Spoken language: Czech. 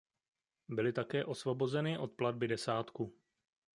Byly také osvobozeny od platby desátku.